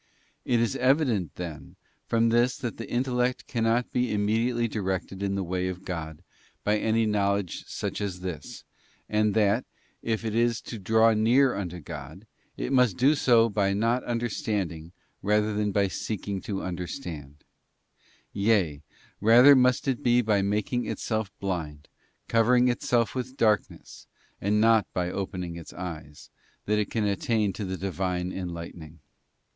It is evident, then, from this that the intellect cannot be immediately directed in the way of God by any know ledge such as this, and that, if it is to draw near unto God, ~ it must do so by not understanding rather than by seeking to understand ; yea, rather it must be by making itself blind, covering itself with darkness, and not by opening its eyes, that it can attain to the Divine enlightening.